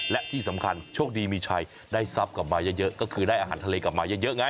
และที่สำคัญโชคดีมีชัยได้ทรัพย์กลับมาเยอะก็คือได้อาหารทะเลกลับมาเยอะไง